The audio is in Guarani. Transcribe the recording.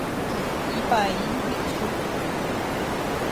Ipaíno he'i chupe.